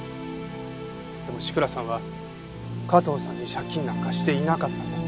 でも志倉さんは加藤さんに借金なんかしていなかったんです。